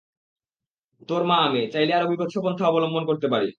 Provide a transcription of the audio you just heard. তোর মা আমি, চাইলে আরো বীভৎস পন্থা অবলম্বন করতে পারি।